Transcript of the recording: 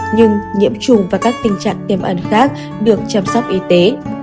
nhưng nhiễm trùng và các tình trạng tiềm ẩn khác được chăm sóc y tế